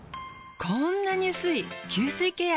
こんなに薄い吸水ケア。